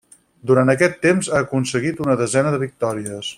Durant aquest temps ha aconseguit una desena de victòries.